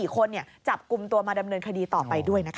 ๔คนจับกลุ่มตัวมาดำเนินคดีต่อไปด้วยนะคะ